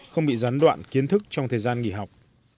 không bị gián đoạn kiến thức trong thời gian nghỉ học